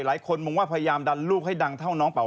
หลายคนมองว่าพยายามดันลูกให้ดังเท่าน้องเป่า